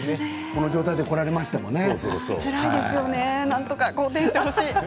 この状態で来られましてもね。